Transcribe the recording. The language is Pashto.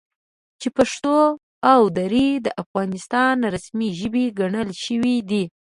چې پښتو او دري د افغانستان رسمي ژبې ګڼل شوي دي،